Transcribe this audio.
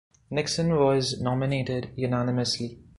Nixon was nominated unanimously.